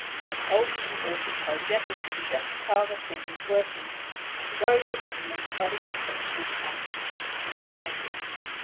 I told him he ought to tell Jefferson just how the thing is working. I go for government by the respectable classes of society."